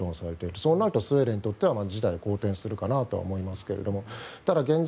そうなるとスウェーデンにとって事態が展開するかなと思いますがただ現状